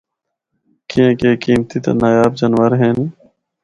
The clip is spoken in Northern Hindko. کیانکہ اے قیمتی تے نایاب جانور ہن۔